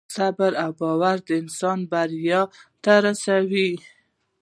صبر او باور انسان بریا ته رسوي.